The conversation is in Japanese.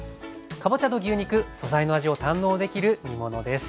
かぼちゃと牛肉素材の味を堪能できる煮物です。